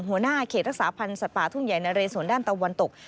หัวหน้าเขตรักษาพันธ์สัตว์ป่าทุ่งใหญ่นะเรสวนด้านตะวันตก